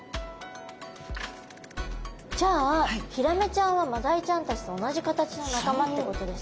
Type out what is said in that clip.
じゃあヒラメちゃんはマダイちゃんたちと同じ形の仲間ってことですか？